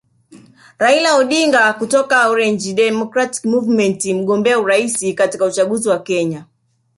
Raila Odinga kutoka Orange Democratic Movement mgombea urais katika uchaguzi wa Kenya